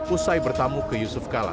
usai bertamu ke yusuf kala